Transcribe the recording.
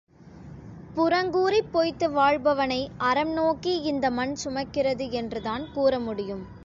புறங்கூறிப் பொய்த்து வாழ்பவனை அறம் நோக்கி இந்த மண் சுமக்கிறது என்றுதான் கூற முடியும்.